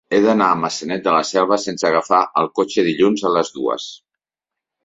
He d'anar a Maçanet de la Selva sense agafar el cotxe dilluns a les dues.